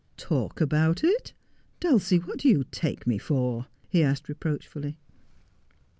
' Talk about it ! Dulcie, what do you take me for 1 ' he asked reproachfully.